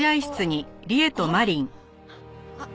あっ。